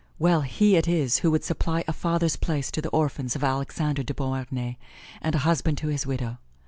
Well he it is who would supply a father's place to the orphans of Alexander de Beauharnais, and a husband's to his widow.